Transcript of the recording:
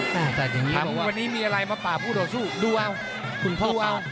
วันนี้มีอะไรมาป่าผู้โดยสู้ดูเอาคุณพ่อปาล